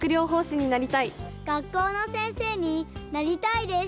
学校の先生になりたいです。